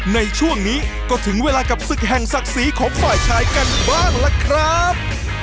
ในช่วงนี้ก็ถึงเวลากับศึกแห่งศักดิ์ศรีของฝ่ายชายกันบ้างล่ะครับ